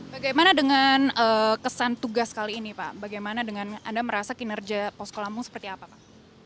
bagaimana dengan kesan tugas kali ini pak bagaimana dengan anda merasa kinerja posko lampung seperti apa pak